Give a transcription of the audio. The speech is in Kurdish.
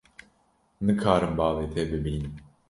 Nikarim bavê te bibînim.